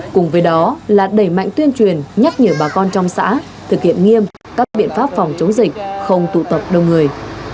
cùng với đó là đẩy mạnh tuyên truyền nhắc nhở bà con trong xã thực hiện nghiêm các biện pháp phòng chống dịch không tụ tập đông người